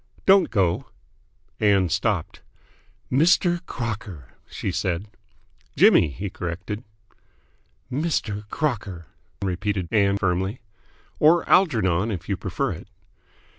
"Don't go!" Ann stopped. "Mr. Crocker!" she said. "Jimmy," he corrected. "Mr. Crocker!" repeated Ann firmly. "Or Algernon, if you prefer it."